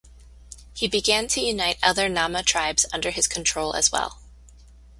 He began to unite other Nama tribes under his control as well.